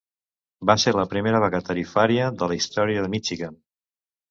Va ser la primera vaga tarifària de la història de Michigan.